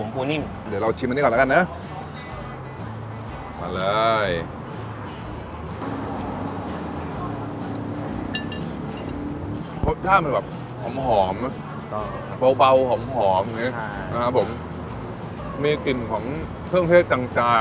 ผังหอมตอบครับเบาหอมหอมนี่อ่ะผมมีกลิ่นของทานเครื่องเทศจำ